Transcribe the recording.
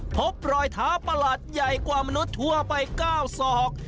พบรอยเท้าประหลาดใหญ่กว่ามนุษย์ทั่วไป๙ศอก